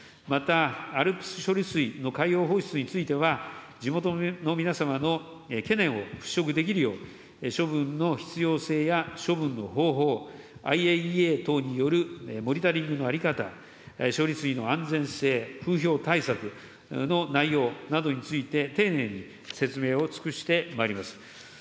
また、ＡＬＰＳ処理水の海洋放出については、地元の皆様の懸念を払拭できるよう、処分の必要性や処分の方法、ＩＡＥＡ等によるモニタリングの在り方、処理水の安全性、風評対策の内容などについて、丁寧に説明を尽くしてまいります。